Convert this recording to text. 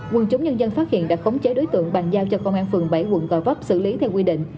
quân chúng nhân dân phát hiện đã khống chế đối tượng bàn giao cho công an phường bảy quận gò vấp xử lý theo quy định